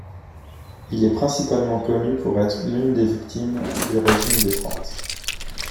Il est principalement connu pour être l'une des victimes du régime des Trente.